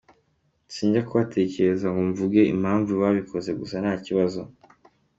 Sinajya kubatekerereza ngo mvuge impamvu babikoze, gusa nta kibazo.